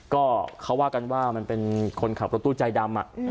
ก็เขาว่ากันว่ามันเป็นคนขับรถตู้ใจดำ